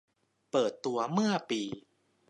เปิดตัวเมื่อปี